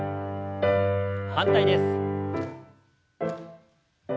反対です。